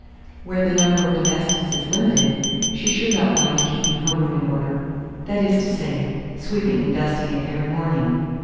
Where the number of domestics is limited, she should not mind keeping her room in order; that is to say, sweeping and dusting it every morning.